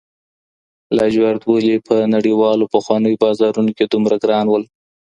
لاجورد ولي په نړیوالو پخوانیو بازارونو کي دومره ګران وو؟